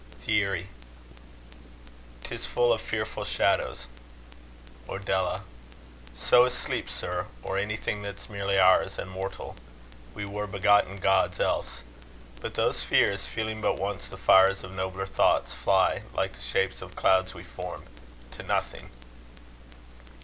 Thierry. 'Tis full of fearful shadows. Ordella. So is sleep, sir; Or anything that's merely ours, and mortal; We were begotten gods else. But those fears Feeling but once the fires of nobler thoughts, Fly, like the shapes of clouds we form, to nothing.